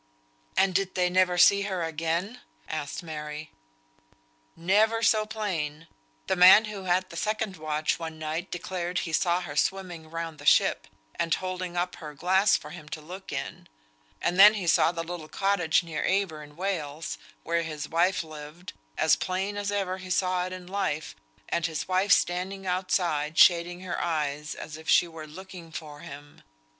"And did they never see her again?" asked Mary. "Never so plain; the man who had the second watch one night declared he saw her swimming round the ship, and holding up her glass for him to look in; and then he saw the little cottage near Aber in Wales (where his wife lived) as plain as ever he saw it in life, and his wife standing outside, shading her eyes as if she were looking for him.